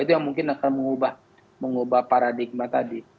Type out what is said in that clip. itu yang mungkin akan mengubah paradigma tadi